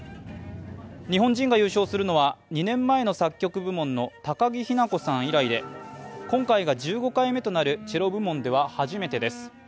日本人が優勝するのは２年前の作曲部門の高木日向子さん以来で今回が１５回目となるチェロ部門では初めてです。